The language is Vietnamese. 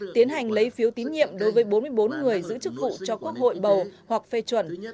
tiến hành lấy phiếu tín nhiệm đối với bốn mươi bốn người giữ chức vụ cho quốc hội bầu hoặc phê chuẩn